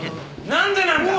何でなんだ！